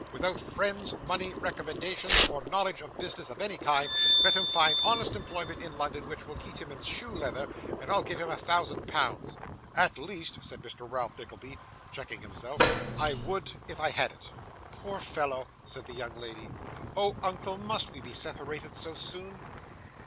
Without friends, money, recommendation, or knowledge of business of any kind, let him find honest employment in London, which will keep him in shoe leather, and I'll give him a thousand pounds. At least,' said Mr Ralph Nickleby, checking himself, 'I would if I had it.' 'Poor fellow!' said the young lady. 'Oh! uncle, must we be separated so soon!